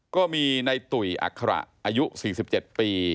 ก็มีในตุ๋ยอัคระอายุ๔๗ปี